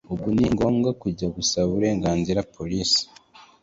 ubwo ni ngombwa kujya gusaba uburenganzira polisi